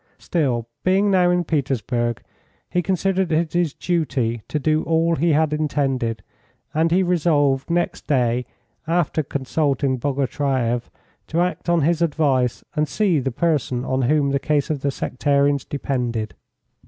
Still, being now in Petersburg, he considered it his duty to do all he had intended, and he resolved next day, after consulting Bogotyreff, to act on his advice and see the person on whom the case of the sectarians depended.